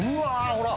ほら！